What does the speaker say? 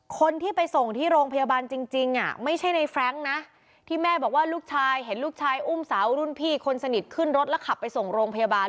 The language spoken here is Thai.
คนที่ไปส่งที่โรงพยาบาลจริงไม่ใช่ในแฟรงค์นะที่แม่บอกว่าลูกชายเห็นลูกชายอุ้มสาวรุ่นพี่คนสนิทขึ้นรถแล้วขับไปส่งโรงพยาบาล